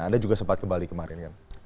anda juga sempat ke bali kemarin ya pak